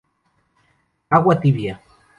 Agua tibia.